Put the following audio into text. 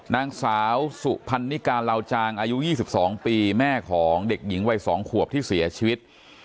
นางสาวสุพรรณิการราวจางอายุยี่สิบสองปีแม่ของเด็กหญิงวัยสองขวบที่เสียชีวิต